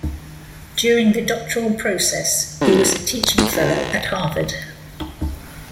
During the doctoral process, he was a teaching fellow at Harvard.